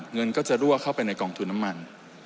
เงินก็จะรั่วเข้าไปในกองทุนน้ำมัน